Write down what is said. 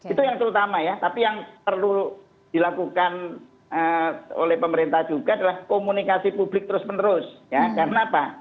itu yang terutama ya tapi yang perlu dilakukan oleh pemerintah juga adalah komunikasi publik terus menerus ya karena apa